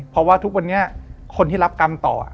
เพราะว่าทุกวันนี้คนที่รับกรรมต่อ